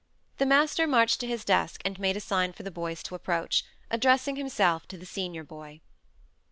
The master marched to his desk, and made a sign for the boys to approach, addressing himself to the senior boy.